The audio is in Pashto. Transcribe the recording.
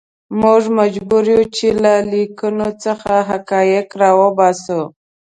موږ مجبور یو چې له لیکنو څخه حقایق راوباسو.